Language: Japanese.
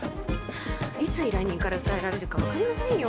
いつ依頼人から訴えられるか分かりませんよ